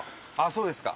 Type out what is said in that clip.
そうですか。